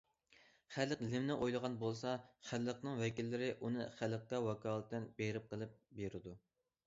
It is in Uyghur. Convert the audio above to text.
خەلق نېمىنى ئويلىغان بولسا، خەلقنىڭ ۋەكىللىرى ئۇنى خەلققە ۋاكالىتەن بېرىپ قىلىپ بېرىدۇ.